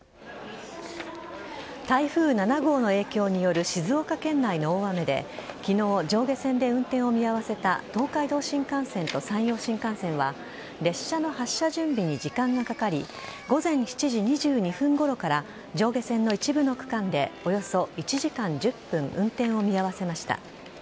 台風７号の影響による静岡県内の大雨で昨日、上下線で運転を見合わせた東海道新幹線と山陽新幹線は列車の発車準備に時間がかかり午前７時２２分ごろから上下線の一部の区間でおよそ１時間１０分運転を見合わせました。